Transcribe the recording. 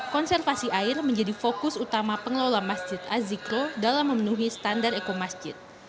konservasi air menjadi fokus utama pengelola masjid azikro dalam memenuhi standar eko masjid